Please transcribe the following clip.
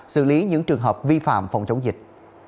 xử lý những trường hợp vi phạm phòng chống dịch